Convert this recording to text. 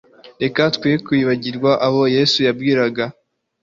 reka twe kwibagirwa abo yesu yabwiraga